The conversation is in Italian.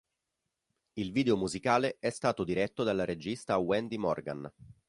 Il video musicale è stato diretto dalla regista Wendy Morgan.